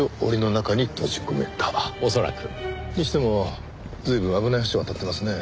にしても随分危ない橋を渡ってますね。